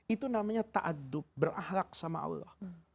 itu namanya taadub berahlak sama allah